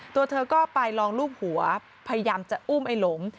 ตัวเธอก็ไปลองรูปหัวพยายามจะอุ้มไอ้หลง